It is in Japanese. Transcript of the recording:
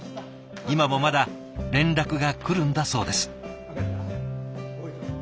今もまだ連絡が来るんだそうです。